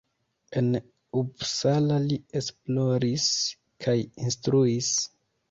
En Uppsala li esploris kaj instruis.